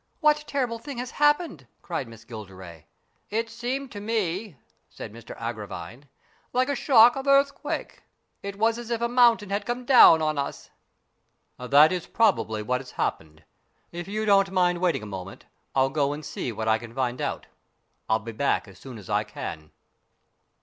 What terrible thing has happened ?" cried Miss Gilderay. " It appeared to me," said Mr Agravine, " like a shock of earthquake. It was as if a mountain had come down on us." "That is probably what has happened. If you don't mind waiting a moment, I'll go and see what I can find out. I'll be back as soon as I can."